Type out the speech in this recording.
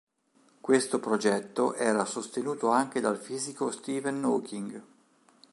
Questo progetto era sostenuto anche dal fisico Steven Hawking.